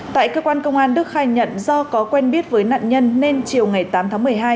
tại cơ quan công an đức khai nhận do có quen biết với nạn nhân nên chiều ngày tám tháng một mươi hai